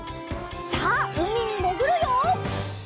さあうみにもぐるよ！